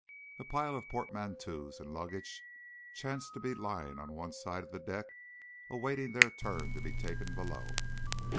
A pile of portmanteaus and luggage chanced to be lying on one side of the deck, awaiting their turn to be taken below.